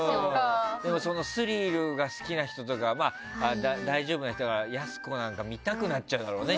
スリルが好きな人とかは大丈夫な人は、やす子の見たくなっちゃうだろうね。